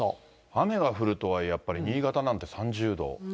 雨が降るとはいえ、新潟なんて３０度。